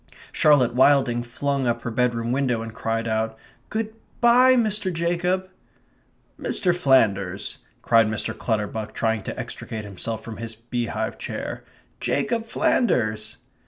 Charlotte Wilding flung up her bedroom window and cried out: "Good bye, Mr. Jacob!" "Mr. Flanders!" cried Mr. Clutterbuck, trying to extricate himself from his beehive chair. "Jacob Flanders!"